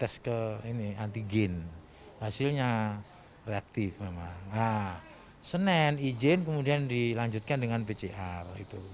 senin ijin kemudian dilanjutkan dengan pcr